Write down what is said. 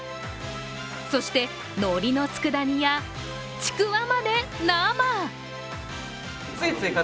そしてのりの佃煮やちくわまで生。